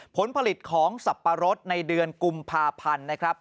ผลผลิตของสับปะรดในเดือนกุมภาพันธ์นะครับ